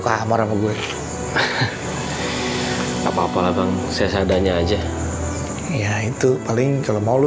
kamar sama gue apa apa lah bang saya sadarnya aja ya itu paling kalau mau